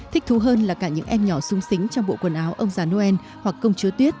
thích thú hơn là cả những em nhỏ sung sính trong bộ quần áo ông già noel hoặc công chúa tuyết